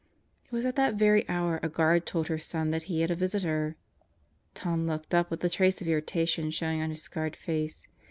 It was at that very hour a guard told her son that he had a visitor. Tom looked up with a trace of irritation showing on his scarred face.